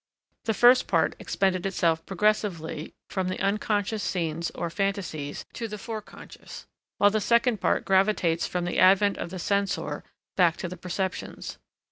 The first part expended itself progressively from the unconscious scenes or phantasies to the foreconscious, while the second part gravitates from the advent of the censor back to the perceptions.